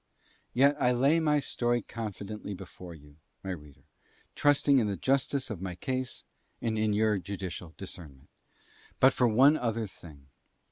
Yet I would lay my story confidently before you, my reader, trusting in the justice of my case and in your judicial discernment, but for one other thing.